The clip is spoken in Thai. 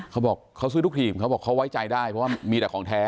เขาบอกเขาซื้อทุกทีมเขาบอกเขาไว้ใจได้เพราะว่ามีแต่ของแท้